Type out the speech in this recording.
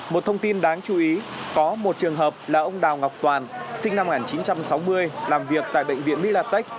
một thông tin đáng chú ý có một trường hợp là ông đào ngọc toàn sinh năm một nghìn chín trăm sáu mươi làm việc tại bệnh viện milatech